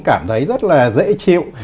cảm thấy rất là dễ chịu